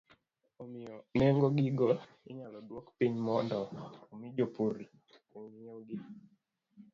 Omiyo, nengo gigo inyalo duok piny mondo omi jopur ong'iewgi